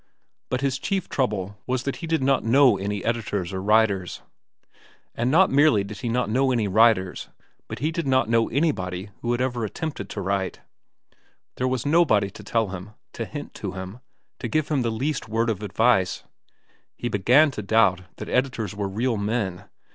But his chief trouble was that he did not know any editors or writers. And not merely did he not know any writers, but he did not know anybody who had ever attempted to write. There was nobody to tell him, to hint to him, to give him the least word of advice. He began to doubt that editors were real men.